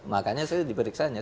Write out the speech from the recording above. makanya saya diperiksa ya